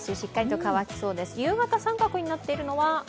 夕方、△になっているのは？